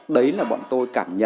đấy là bọn tôi cảm nhận được